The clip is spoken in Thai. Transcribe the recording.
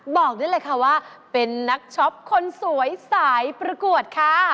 บอกได้เลยค่ะว่าเป็นนักช็อปคนสวยสายประกวดค่ะ